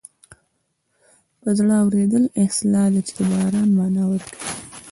په زړه اورېدل اصطلاح ده چې د باران مانا ورکوي